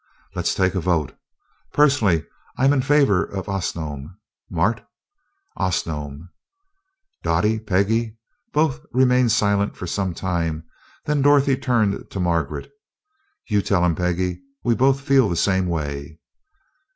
Let's take a vote. Personally, I'm in favor of Osnome. Mart?" "Osnome." "Dottie? Peggy?" Both remained silent for some time, then Dorothy turned to Margaret. "You tell him, Peggy we both feel the same way."